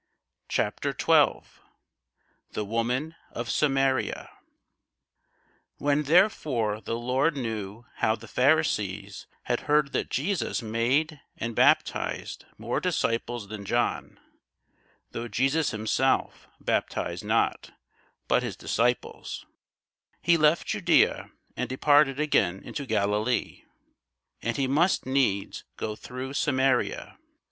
CHAPTER 12 THE WOMAN OF SAMARIA [Sidenote: St. John 4] WHEN therefore the Lord knew how the Pharisees had heard that Jesus made and baptized more disciples than John, (though Jesus himself baptized not, but his disciples,) he left Judæa, and departed again into Galilee. And he must needs go through Samaria.